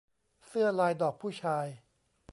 เสื้อลายดอกผู้ชาย